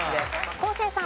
昴生さん。